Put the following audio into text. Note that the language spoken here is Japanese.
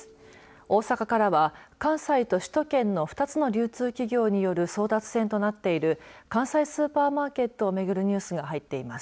大阪からは関西と首都圏の２つの流通企業による争奪戦となっている関西スーパーマーケットを巡るニュースが入っています。